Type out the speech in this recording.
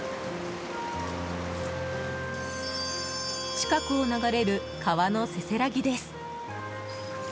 近くを流れる川のせせらぎです。